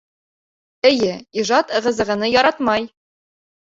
Эйе, ижад ығы-зығыны яратмай.